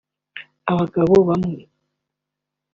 Abagabo bamwe